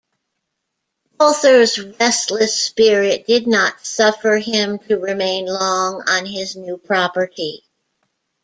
Walther's restless spirit did not suffer him to remain long on his new property.